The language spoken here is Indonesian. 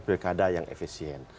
pilkada yang efisien